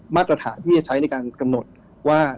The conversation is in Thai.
มาตรฐานที่จะใช้ในการกำหนดว่า